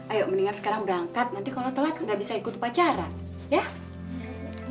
ayo mendingan sekarang berangkat nanti kalau telat gak bisa ikut upacara ya